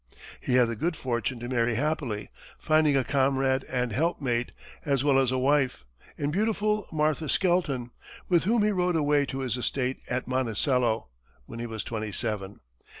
He had the good fortune to marry happily, finding a comrade and helpmate, as well as a wife, in beautiful Martha Skelton, with whom he rode away to his estate at Monticello when he was twenty seven.